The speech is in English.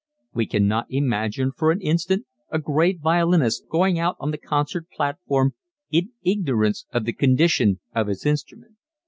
We cannot imagine for an instant a great violinist going out on the concert platform in ignorance of the condition of his instrument.